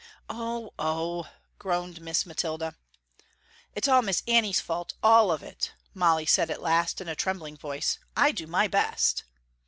"Oh! Oh!" groaned Miss Mathilda. "It's all Miss Annie's fault, all of it," Molly said at last, in a trembling voice, "I do my best."